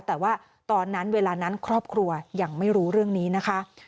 แต่ว่าตอนนั้นเวลานั้นครอบครัวยังไม่รู้เรื่องนี้นะคะ